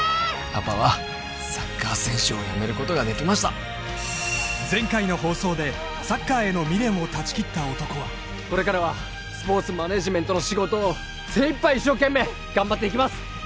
パパはサッカー選手をやめることができました前回の放送でサッカーへの未練を断ち切った男はこれからはスポーツマネージメントの仕事を精いっぱい一生懸命頑張っていきます